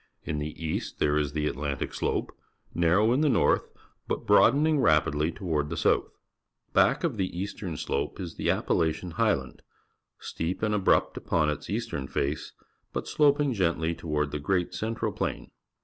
In the east there is the Atlantic Slope, narrow in the north, but broadening rapidly toward the south. Back of the Atlantic Slope is the Appalachian Highland, steep and abrupt upon its eastern face, but slop ing gently to ward the Great Central Plain.